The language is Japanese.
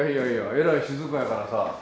えらい静かやからさ。